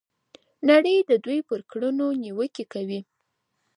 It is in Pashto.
نړۍ د دوی پر کړنو نیوکې کوي.